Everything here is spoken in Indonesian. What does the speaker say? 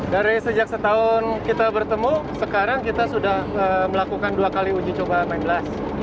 dari sejak setahun kita bertemu sekarang kita sudah melakukan dua kali uji coba sembilan belas